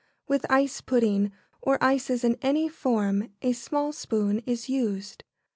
With ice pudding or ices in any form a small spoon is used.